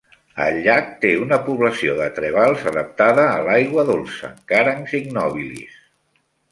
El llac té una població de trevals adaptada a l'aigua dolça, "Caranx ignobilis".